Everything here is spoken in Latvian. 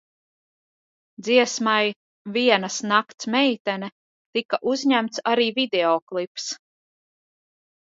"Dziesmai "Vienas nakts meitene" tika uzņemts arī videoklips."